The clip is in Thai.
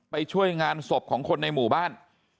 ไปช่วยงานศพของคนในหมู่บ้าน